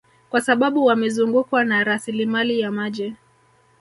Kwa sababu wamezungukwa na rasilimali ya maji